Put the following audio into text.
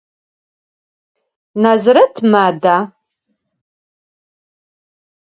Назирэт мада?